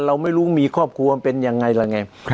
เราไม่รู้มีครอบครัวเป็นยังไงล่ะไง